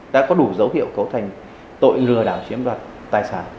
đã có đủ dấu hiệu cấu thành tội lừa đảo chiếm đoạt tài sản